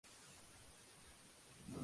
Le llamaban comúnmente el Cardenal de Aragón.